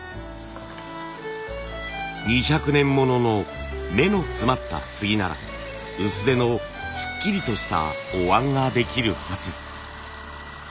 ２００年ものの目の詰まった杉なら薄手のすっきりとしたお椀ができるはず。